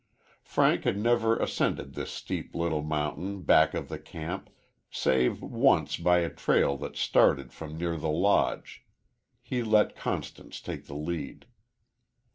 Frank had never ascended this steep little mountain back of the camp, save once by a trail that started from near the Lodge. He let Constance take the lead.